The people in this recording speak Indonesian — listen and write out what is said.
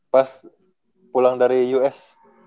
pas pulang dari us